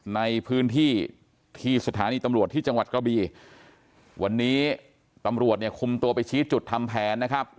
ในพื้นที่ที่สถานีตำรวจที่จังหวัดกระบีวันนี้ตำรวจเนี่ยคุมตัวไปชี้จุดทำแผนนะครับ